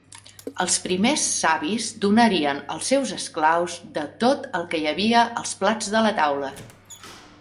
Els primers savis donarien als seus esclaus de tot el que hi havia als plats de la taula.